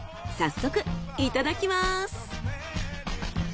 早速いただきます！